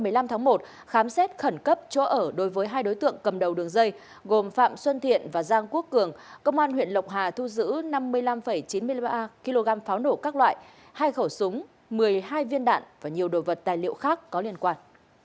ngày một mươi năm tháng một khám xét khẩn cấp chỗ ở đối với hai đối tượng cầm đầu đường dây gồm phạm xuân thiện và giang quốc cường công an huyện lộc hà thu giữ năm mươi năm chín mươi ba kg pháo nổ các loại hai khẩu súng một mươi hai viên đạn và nhiều đồ vật tài liệu khác có liên quan